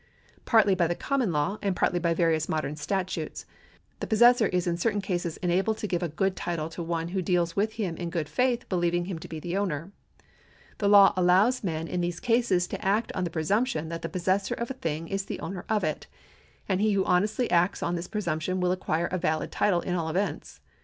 Partly by the connnon law, and partly by various modern statutes, the possessor is in certain cases enabled to give a good title to one who deals with him in good faith believing him to be the owner. The law allows men in these cases to act on the })rcsumj)tion that the possessor of a thing is the owner of it ; and he who honestly acts on this presumption will acquire a valid title in all events.